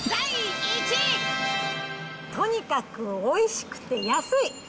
とにかくおいしくて安い。